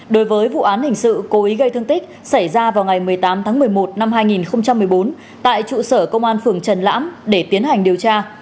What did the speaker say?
đối với vụ án hình sự cố ý gây thương tích xảy ra vào ngày một mươi tám tháng một mươi một năm hai nghìn một mươi bốn tại trụ sở công an phường trần lãm để tiến hành điều tra